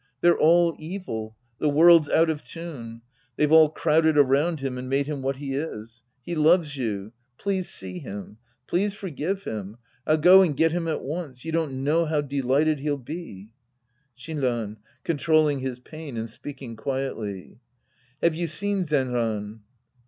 They're all evil. The world's out of tune. They've all crowded around him and made him what he is. He loves you. Please see him. Please for give him. I'll go and get him at once. You don't know how delighted he'll be. Shinran {controlling his pain and speaking quietly). Have you seen Zenran